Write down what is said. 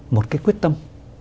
một cái quyết tâm